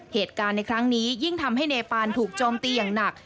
เหตุการณ์ในครั้งนี้ยิ่งทำให้เนปานถูกโจมตีอย่างหนัก